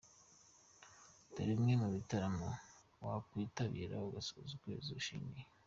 Dore bimwe mu bitaramo wakwitabira ugasoza ukwezi wishimye:.